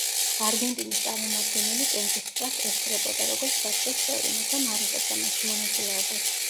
არგენტინის წარმომადგენელი კენჭისყრას ესწრებოდა, როგორც საბჭოს წევრი, მაგრამ არ იღებდა მასში მონაწილეობას.